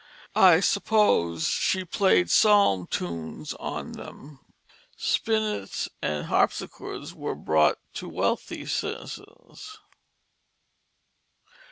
I supposed she played psalm tunes on them. Spinets and harpsichords were brought to wealthy citizens.